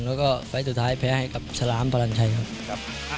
แล้วก็ไฟล์สุดท้ายแพ้ให้กับฉลามพลังชัยครับ